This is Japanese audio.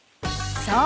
［そう。